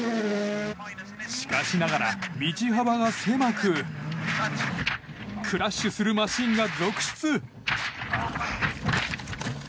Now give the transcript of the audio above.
しかしながら、道幅が狭くクラッシュするマシンが続出！